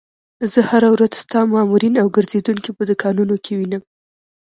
زه هره ورځ ستا مامورین او ګرځېدونکي په دوکانونو کې وینم.